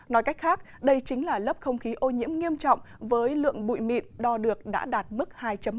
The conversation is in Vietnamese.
nói cách khác đây chính là lớp không khí ô nhiễm nghiêm trọng với lượng bụi mịn đo được đã đạt mức hai năm